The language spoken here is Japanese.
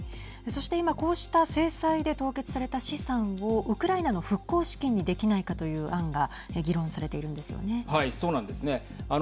そして今、こうした制裁で凍結された資産をウクライナの復興資金にできないかという案が議論されているんですよね。